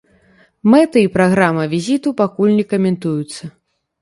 Мэты і праграма візіту пакуль не каментуюцца.